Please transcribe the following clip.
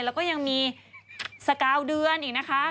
แล้วก็ยังมีสกาวเดือนอีกนะคะ